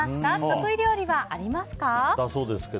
得意料理はありますか？